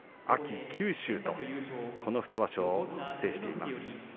秋、九州とこの２場所制しています。